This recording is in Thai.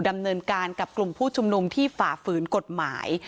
ดำเนินการกับกลุ่มผู้ชุมนุมที่ฝ่าฝืนกฎหมาย